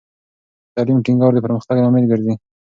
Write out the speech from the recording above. پر تعلیم ټینګار د پرمختګ لامل ګرځي.